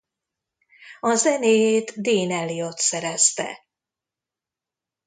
A zenéjét Dean Elliott szerezte.